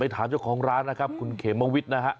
ถามเจ้าของร้านคุณเขมงวิทย์นะครับ